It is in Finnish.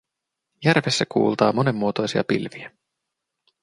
Järvessä kuultaa monenmuotoisia pilviä.